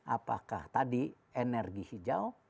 apakah tadi energi hijau